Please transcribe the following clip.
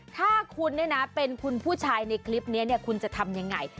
ถ้าคุณเป็นคุณผู้ชายในคลิปนี้คุณจะทำยังไง